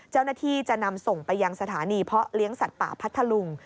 เจ้าหน้าที่จะนำส่งไปยังสถานีเพาะเลี้ยงสัตว์ป่าพัทธลุง